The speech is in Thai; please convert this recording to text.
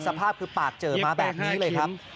สภาพคือปากเจอมาแบบนี้เลยครับ